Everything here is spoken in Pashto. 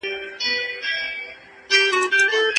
هغه غوښه مه خورئ چې ډېر وخت په بهر کې پاتې وي.